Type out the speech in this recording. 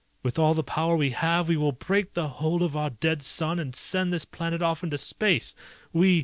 With all the power we have we will break the hold of our dead sun and send this planet off into space! We